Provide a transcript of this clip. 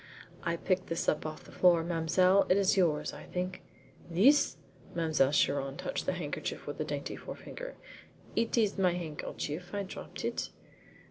"I picked this up off the floor, mademoiselle. It is yours, I think?" "This?" Mademoiselle Chiron touched the handkerchief with a dainty forefinger. "It is my handkerchief. I dropped it."